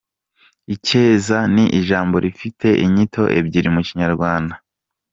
Icyeza ni ijambo rifite inyito ebyiri mu kinyarwanda.